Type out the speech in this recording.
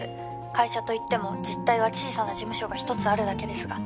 会社といっても実態は小さな事務所が１つあるだけですが。